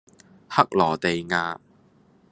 克羅地亞